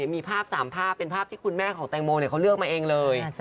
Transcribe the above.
มีภาพ๓ภาพเป็นภาพที่คุณแม่ของแตงโมเขาเลือกมาเองเลย